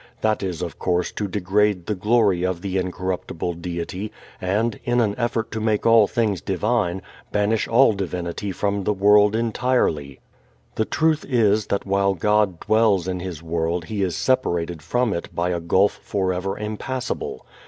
That is of course to degrade the glory of the incorruptible Deity and, in an effort to make all things divine, banish all divinity from the world entirely. The truth is that while God dwells in His world He is separated from it by a gulf forever impassable.